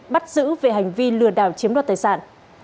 bắt giữ về hành vi lừa đảo chiếm đoạt tài sản